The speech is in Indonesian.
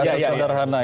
gak sesederhana ya